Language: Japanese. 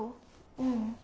・ううん。